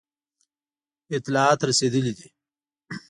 اطلاعات رسېدلي دي.